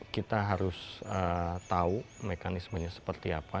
kita harus tahu mekanismenya seperti apa